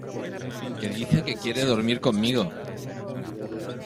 que dice que quiere dormir conmigo.